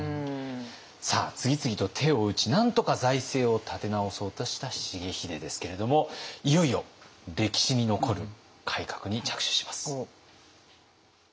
さあ次々と手を打ちなんとか財政を立て直そうとした重秀ですけれどもいよいよ歴史に残る改革に着手します。